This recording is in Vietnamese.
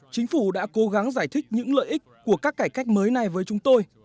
chính phủ đã cố gắng giải thích những lợi ích của các cải cách mới này với chúng tôi